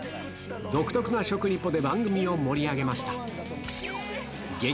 独特な食リポで番組を盛り上げました。